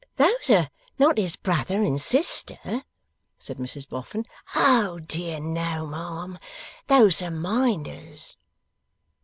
'Those are not his brother and sister?' said Mrs Boffin. 'Oh, dear no, ma'am. Those are Minders.